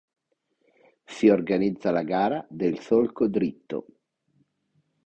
Si organizza la gara del solco dritto.